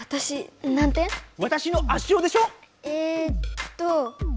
えっと